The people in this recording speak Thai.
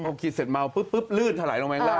โอเคเสร็จเมาปุ๊บลื่นหลายลงแม่งล่าง